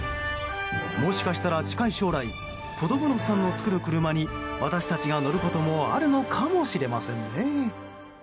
もしかしたら近い将来ポドブノフさんの作る車に私たちが乗ることもあるのかもしれませんね。